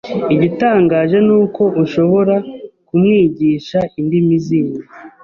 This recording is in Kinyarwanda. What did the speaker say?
Igitangaje nuko ushobora kumwigisha indimi zindi